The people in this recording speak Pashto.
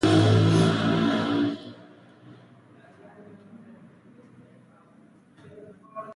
ځمکه د افغانستان د جغرافیې بېلګه ده.